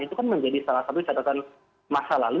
itu kan menjadi salah satu catatan masa lalu